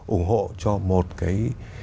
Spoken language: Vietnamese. ủng hộ cho một cái